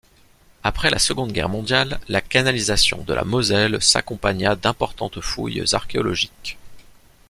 Après la Seconde Guerre mondiale, la canalisation de la Moselle s'accompagna d'importantes fouilles archéologiques.